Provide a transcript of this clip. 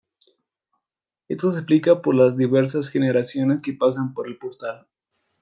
Esto se explica por las diversas generaciones que pasan por el portal.